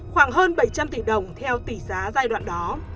khoảng hơn bảy trăm linh tỷ đồng theo tỷ giá giai đoạn đó